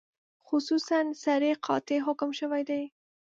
خصوصاً صریح قاطع حکم شوی دی.